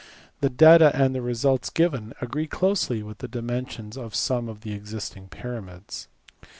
The data and the results given agree closely with the dimensions of some of the existing pyramids.